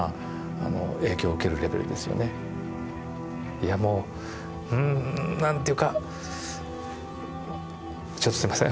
いやもう何ていうかちょっとすいません。